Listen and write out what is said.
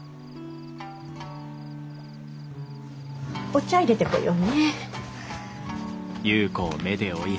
お茶いれてこようね。